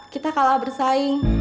kita kalah bersaing